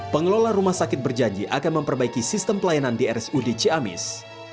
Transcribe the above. pengelola rumah sakit berjanji akan memperbaiki sistem pelayanan di rsud ciamis